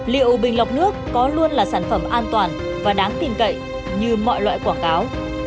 liệu bình lọc nước có luôn là sản phẩm an toàn và đáng tin cậy như mọi loại quảng cáo